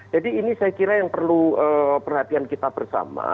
ini saya kira yang perlu perhatian kita bersama